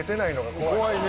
怖いね。